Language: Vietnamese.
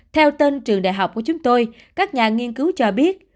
theo tên trường đại học của chúng tôi các nhà nghiên cứu cho biết